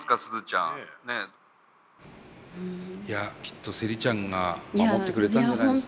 いやきっとセリちゃんが守ってくれたんじゃないですか？